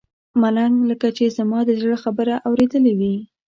ملنګ لکه چې زما د زړه خبره اورېدلې وي.